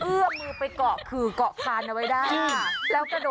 เออ